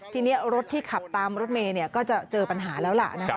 ทีนี้รถที่ขับตามรถเมย์ก็จะเจอปัญหาแล้วล่ะนะครับ